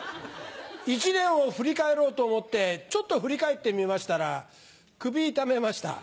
１年を振り返ろうと思って、ちょっと振り返ってみましたら、首痛めました。